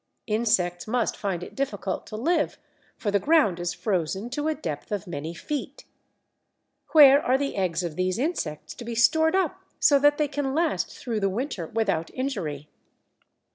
Insects must find it difficult to live, for the ground is frozen to a depth of many feet. Where are the eggs of these insects to be stored up so that they can last through the winter without injury?